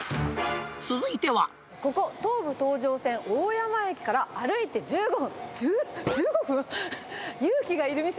ここ、東武東上線大山駅から、歩いて１５分。